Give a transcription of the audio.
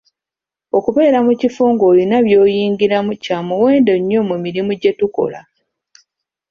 Okubeera mu kifo ng'olina by'oyigiramu kya muwendo nnyo mu mirimu gye tukola.